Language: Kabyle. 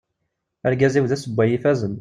Argaz-iw d asewway ifazen.